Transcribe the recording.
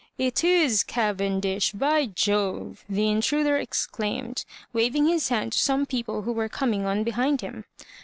" It is Cavendish, by Jove I" the intruder exclaimed, waving his hand to some people who were coming on behind him.